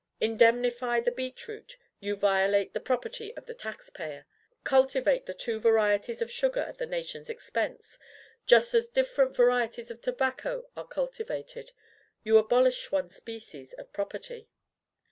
Indemnify the beet root, you violate the property of the tax payer. Cultivate the two varieties of sugar at the nation's expense, just as different varieties of tobacco are cultivated, you abolish one species of property.